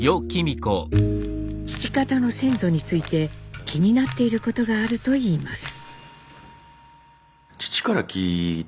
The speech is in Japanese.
父方の先祖について気になっていることがあると言います。